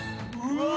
うわ！